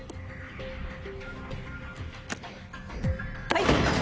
はい。